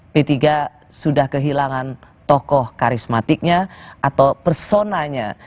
p tiga sudah kehilangan tokoh karismatiknya atau personanya